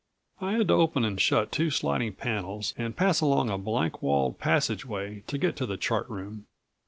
I had to open and shut two sliding panels and pass along a blank walled passageway to get to the chart room.